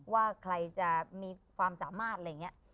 ว่าใครจะมีความสามารถอะไรอย่างนี้